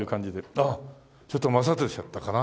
「ああちょっと待たせちゃったかな」